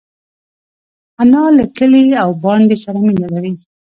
انا له کلي او بانډې سره مینه لري